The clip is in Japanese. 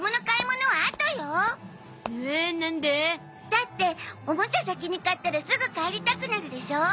だっておもちゃ先に買ったらすぐ帰りたくなるでしょう？